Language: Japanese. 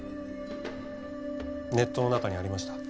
ネットの中にありました。